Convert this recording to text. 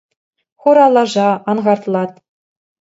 Хура лаша, ан хартлат.